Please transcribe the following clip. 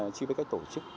chỉ biết cách tổ chức